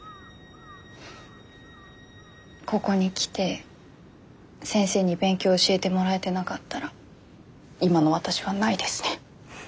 ここに来て先生に勉強教えてもらえてなかったら今の私はないですね。